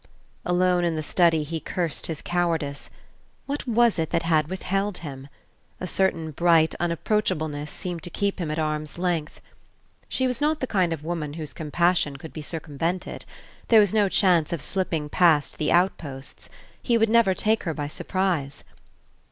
Alone in the study he cursed his cowardice. What was it that had withheld him? A certain bright unapproachableness seemed to keep him at arm's length. She was not the kind of woman whose compassion could be circumvented; there was no chance of slipping past the outposts; he would never take her by surprise.